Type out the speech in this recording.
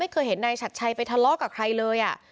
เคยเห็นนายชัดชัยไปทะเลาะกับใครเลย